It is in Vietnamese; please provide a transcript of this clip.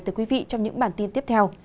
từ quý vị trong những bản tin tiếp theo